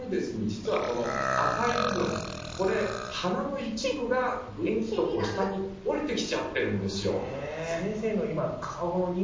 実はこの赤い部分これ鼻の一部がぐっと下におりてきちゃってるんですよ。